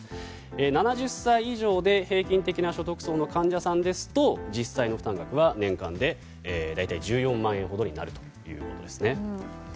７０歳以上で平均的な所得層の患者さんですと実際の負担額は年間で大体１４万円ほどになるということです。